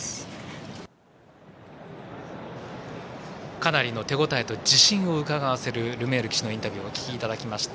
かなりの手応えと自信をうかがわせるルメール騎手のインタビューをお聞きいただきました。